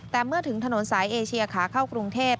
แต่เมื่อถึงถนนสายเอเชียขาเข้ากรุงเทพ